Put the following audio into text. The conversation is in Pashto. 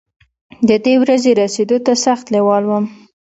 د دې ورځې رسېدو ته سخت لېوال وم.